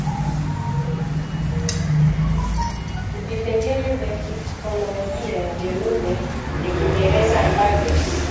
vipengele vya kifonolojia vya lugha ya Kiingereza ambavyo